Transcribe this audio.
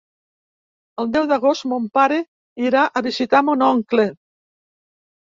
El deu d'agost mon pare irà a visitar mon oncle.